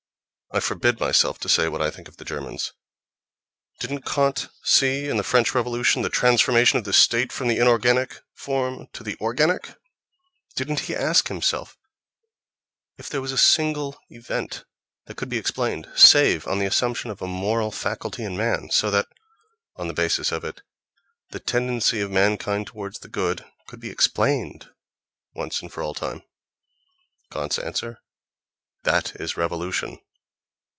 I forbid myself to say what I think of the Germans.... Didn't Kant see in the French Revolution the transformation of the state from the inorganic form to the organic? Didn't he ask himself if there was a single event that could be explained save on the assumption of a moral faculty in man, so that on the basis of it, "the tendency of mankind toward the good" could be explained, once and for all time? Kant's answer: "That is revolution."